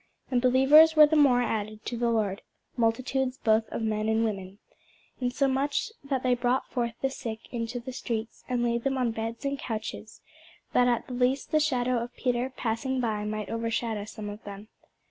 And believers were the more added to the Lord, multitudes both of men and women. Insomuch that they brought forth the sick into the streets, and laid them on beds and couches, that at the least the shadow of Peter passing by might overshadow some of them.